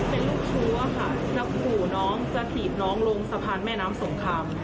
เป็นลูกชู้อะค่ะจะขู่น้องจะถีบน้องลงสะพานแม่น้ำสงคราม